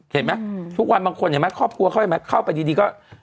เห็นไหมทุกวันบางคนเข้าไปดีก็